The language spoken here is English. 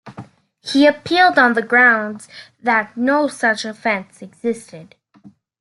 He appealed on the grounds that no such offence existed.